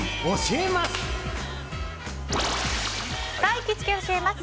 行きつけ教えます！